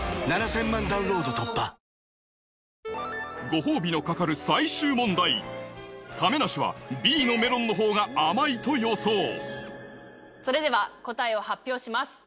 ご褒美の懸かる亀梨はＢのメロンのほうが甘いと予想それでは答えを発表します。